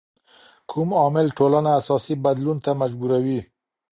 کوم عامل ټولنه اساسي بدلون ته مجبوروي؟